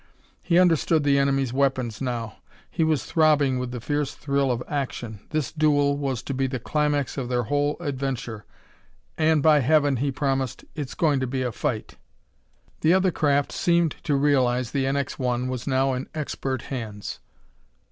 He understood the enemy's weapons now; he was throbbing with the fierce thrill of action. This duel was to be the climax of their whole adventure. "And, by heaven," he promised, "it's going to be a fight!" The other craft seemed to realize the NX 1 was now in expert hands.